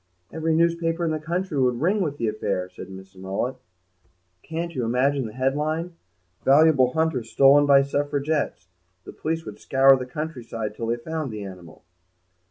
"Every newspaper in the country would ring with the affair," said Mrs. Mullet; "can't you imagine the headline, 'Valuable Hunter Stolen by Suffragettes'? The police would scour the countryside till they found the animal."